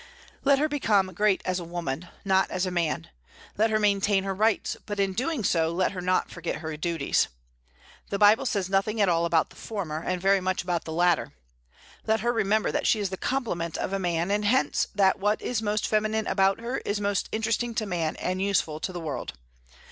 Let her become great as a woman, not as a man. Let her maintain her rights; but in doing so, let her not forget her duties. The Bible says nothing at all about the former, and very much about the latter. Let her remember that she is the complement of a man, and hence that what is most feminine about her is most interesting to man and useful to the world.